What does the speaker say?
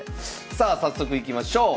さあ早速いきましょう！